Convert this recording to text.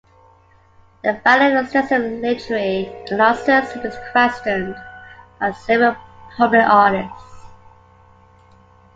The value of extensive literary analysis has been questioned by several prominent artists.